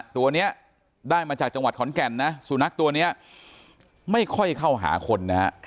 ตัวนี้ได้มาจากจังหวัดขอนแก่นนะสุนัขตัวนี้ไม่ค่อยเข้าหาคนนะฮะ